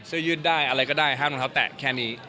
ยืดได้อะไรก็ได้ห้ามรองเท้าแตะแค่นี้